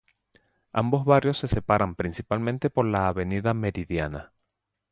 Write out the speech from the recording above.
Ambos barrios se separan principalmente por la Avenida Meridiana.